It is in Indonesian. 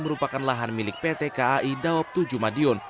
merupakan lahan milik pt kai dawab tujuh madiun